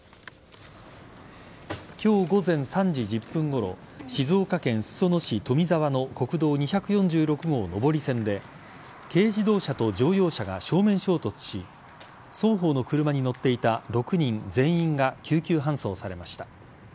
今日午前３時１０分ごろ静岡県裾野市富沢の国道２４６号上り線で軽自動車と乗用車が正面衝突し双方の車に乗っていた６人全員が救急搬送されました。